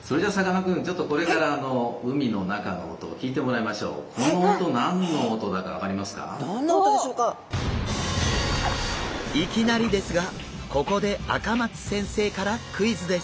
いきなりですがここで赤松先生からクイズです！